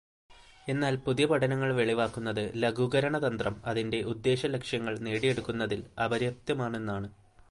എന്നാൽ പുതിയ പഠനങ്ങൾ വെളിവാക്കുന്നത് ലഘൂകരണതന്ത്രം അതിന്റെ ഉദ്ദേശലക്ഷ്യങ്ങൾ നേടിയെടുക്കുന്നതിൽ അപര്യാപ്തമാണെന്നാണ്.